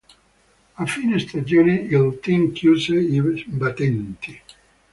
A fine stagione il team chiuse i battenti.